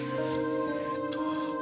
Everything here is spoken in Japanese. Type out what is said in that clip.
えーっと。